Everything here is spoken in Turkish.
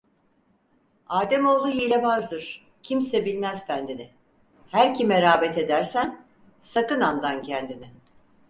Âdemoğlu hîlebâzdır, kimse bilmez fendini! Her kime rağbet edersen, sakın andan kendini.